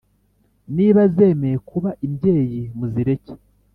Niba zemeye kuba imbyeyi muzireke